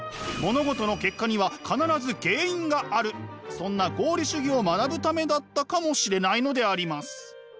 そんな合理主義を学ぶためだったかもしれないのであります。